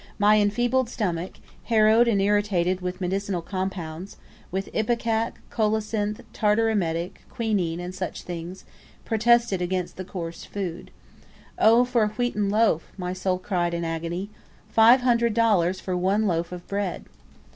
My enfeebled stomach, harrowed and irritated with medicinal compounds, with ipecac, colocynth, tartar emetic, quinine, and such things, protested against the coarse food. "Oh, for a wheaten loaf!" my soul cried in agony. "Five hundred dollars for one loaf of bread!"